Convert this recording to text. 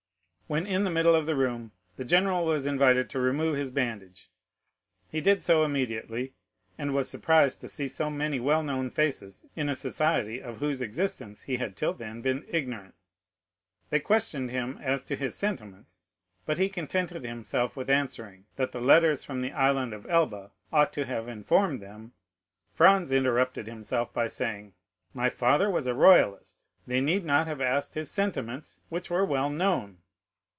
When in the middle of the room the general was invited to remove his bandage, he did so immediately, and was surprised to see so many well known faces in a society of whose existence he had till then been ignorant. They questioned him as to his sentiments, but he contented himself with answering, that the letters from the Island of Elba ought to have informed them——'" Franz interrupted himself by saying, "My father was a royalist; they need not have asked his sentiments, which were well known."